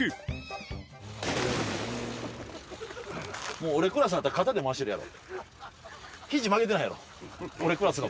もう俺クラスになったら肩で回してるやろ。